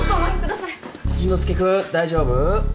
淳之介君大丈夫？